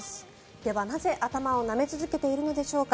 ではなぜ、頭をなめ続けているのでしょうか。